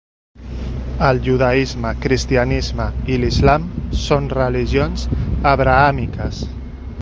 El judaisme, cristianisme i l'islam són religions abrahàmiques.